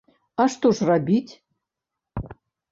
А што ж рабіць?